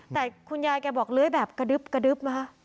แต่คุณยายแกบอกเลื้อยแบบกระดึบมาค่ะ